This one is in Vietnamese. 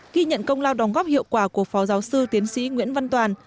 khi nhận công lao đồng góp hiệu quả của phó giáo sư tiến sĩ nguyễn văn toàn